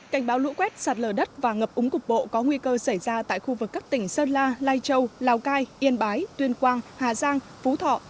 cảnh báo lũ quét sạt lở đất và ngập úng cục bộ có nguy cơ xảy ra tại khu vực các tỉnh sơn la lai châu lào cai yên bái tuyên quang hà giang phú thọ